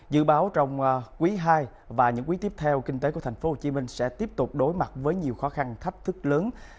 dự báo trong quý ii và những quý tiếp theo kinh tế của tp hcm sẽ tiếp tục đối mặt với nhiều khó khăn thách thức lớn